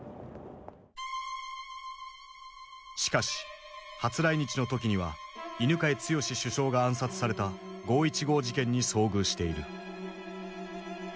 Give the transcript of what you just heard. しかし初来日の時には犬養毅首相が暗殺された五・一五事件に遭遇している。